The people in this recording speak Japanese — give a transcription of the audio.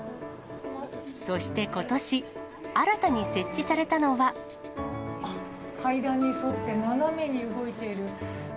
そしてことし、新たに設置された階段に沿って斜めに動いている。